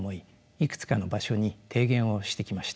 いくつかの場所に提言をしてきました。